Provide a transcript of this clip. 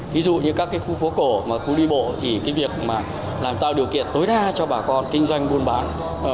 ví dụ như các khu phố cổ và khu đi bộ thì việc làm tạo điều kiện tối đa cho bà con kinh doanh vun bản